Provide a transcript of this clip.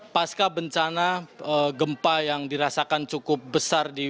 pasca bencana gempa yang dirasakan cukup besar di wilayah